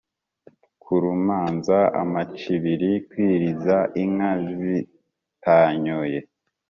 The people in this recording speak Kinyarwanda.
kurumanza amacibiri: kwiriza inka zitanyoye